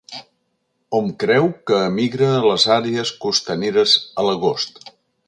Hom creu que emigra a les àrees costaneres a l'agost.